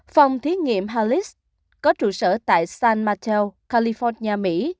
phòng thí nghiệm hallis có trụ sở tại san mateo california mỹ